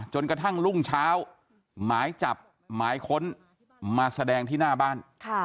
กระทั่งรุ่งเช้าหมายจับหมายค้นมาแสดงที่หน้าบ้าน